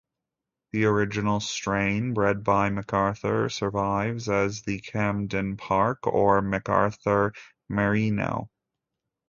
The original strain bred by Macarthur survives as the Camden Park or Macarthur Merino.